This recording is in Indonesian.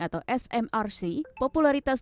atau smrc popularitas